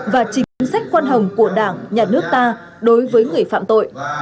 và chính sách quan hồng của đảng nhà nước ta đối với người phạm tội